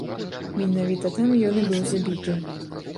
Менавіта там ён і быў забіты.